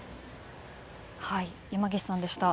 山岸さんでした。